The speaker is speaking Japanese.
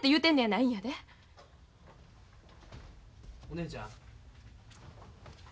・お姉ちゃん。